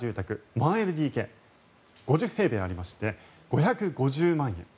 １ＬＤＫ５０平米ありまして５５０万円。